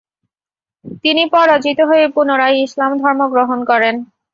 তিনি পরাজিত হয়ে পুনরায় ইসলাম ধর্ম গ্রহণ করেন।